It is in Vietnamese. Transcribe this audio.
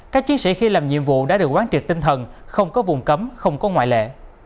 các chiến sĩ khi làm nhiệm vụ đã được quán triệt tinh thần không có vùng cấm không có ngoại lệ